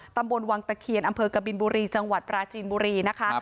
ตำบลวังตะเคียนอำเภอกบินบุรีจังหวัดปราจีนบุรีนะคะ